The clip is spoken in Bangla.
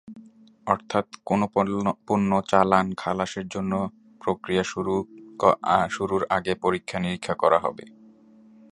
অর্থাৎ কোনো পণ্য-চালান খালাসের জন্য প্রক্রিয়া শুরুর আগে পরীক্ষা-নিরীক্ষা করা হবে।